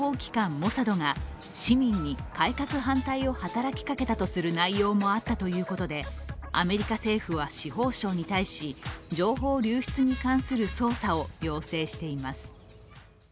モサドが市民に改革反対を働きかけたとする内容もあったということでアメリカ政府は司法省に対し、情報流出に関する捜査を要請しています。